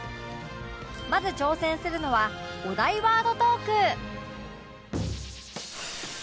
まず挑戦するのはお題ワードトーク